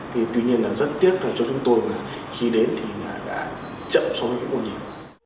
thì tuy nhiên là rất tiếc cho chúng tôi mà khi đến thì đã chậm so với một người